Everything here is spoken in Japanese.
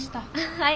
はい。